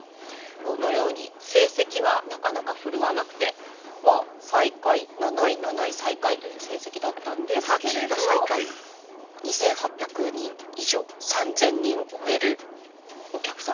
このように成績はなかなか振るわなくて最下位７位７位最下位という成績だったんですけれど２，８００人以上３，０００人を超えるお客さんがちゃんと入ってる。